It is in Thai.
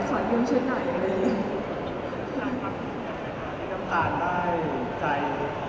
แล้วขอยุ่งชุดหน่อยเลย